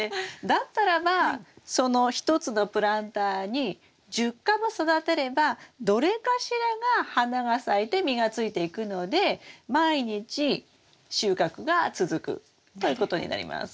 だったらばその１つのプランターに１０株育てればどれかしらが花が咲いて実がついていくので毎日収穫が続くということになります。